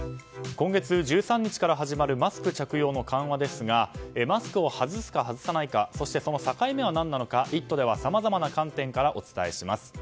今月１３日から始まるマスク着用の緩和ですがマスクを外すか外さないかそして、そのサカイ目は何なのか「イット！」ではさまざまな観点からお伝えします。